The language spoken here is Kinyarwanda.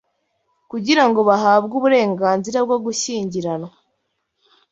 kugira ngo bahabwe uburenganzira bwo gushyingiranwa